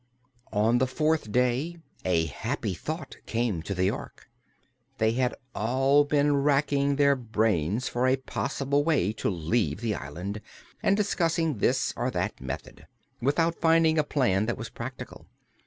On the fourth day a happy thought came to the Ork. They had all been racking their brains for a possible way to leave the island, and discussing this or that method, without finding a plan that was practical.